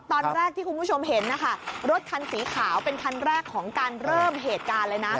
ตอนแรกที่คุณผู้ชมเห็นนะคะรถคันสีขาวเป็นคันแรกของการเริ่มเหตุการณ์เลยนะ